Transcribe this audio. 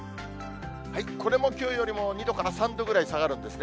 これもきょうよりも２度から３度ぐらい下がるんですね。